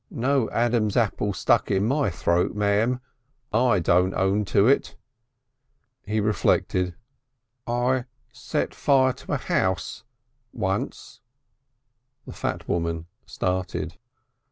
No Adam's apple stuck in my throat, ma'am. I don't own to it." He reflected. "I set fire to a house once." The fat woman started.